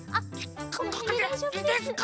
ここでいいですか？